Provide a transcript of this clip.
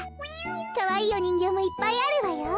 かわいいおにんぎょうもいっぱいあるわよ。